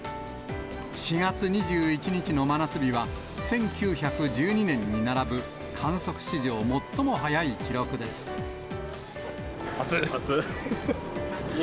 ４月２１日の真夏日は、１９１２年に並ぶ、観測史上最も早い記録あつっ。